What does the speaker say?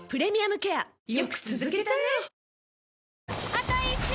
あと１周！